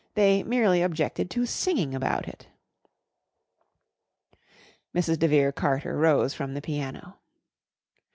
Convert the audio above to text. They merely objected to singing about it. Mrs. de Vere Carter rose from the piano.